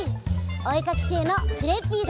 おえかきせいのクレッピーだよ！